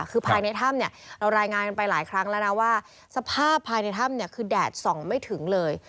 คือภายในถ้ำเนี่ยเรารายงานกันไปหลายครั้งแล้วนะว่าสภาพภายในถ้ำเนี่ยคือแดดส่องไม่ถึงเลย